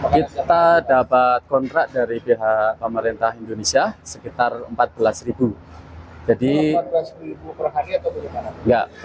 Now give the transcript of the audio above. kita dapat kontrak dari pihak pemerintah indonesia sekitar rp empat belas